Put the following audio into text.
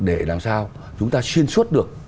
để làm sao chúng ta xuyên suốt được